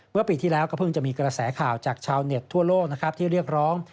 เมื่อปีที่แล้วก็เพิ่งจะมีกระแสข่าวจากชาวเน็ตทั่วโลกนะครับที่เรียกร้อง